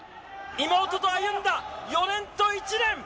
妹と歩んだ４年と１年。